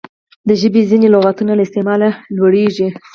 د ژبي ځیني لغاتونه له استعماله لوړیږي.